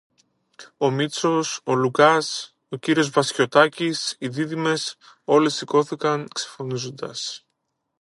Ο Μήτσος, ο Λουκάς, ο κύριος Βασιωτάκης, οι δίδυμες, όλοι σηκώθηκαν ξεφωνίζοντας: